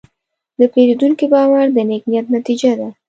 د پیرودونکي باور د نیک نیت نتیجه ده.